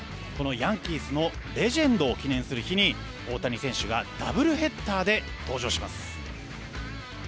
ヤンキースのレジェンドを記念する日に大谷選手がダブルヘッダーで登場します。